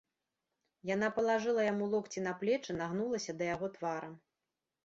Яна палажыла яму локці на плечы, нагнулася да яго тварам.